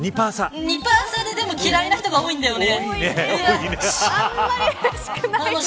２％差で嫌いな人が多いんだね。